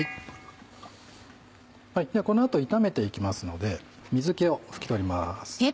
この後炒めていきますので水気を拭き取ります。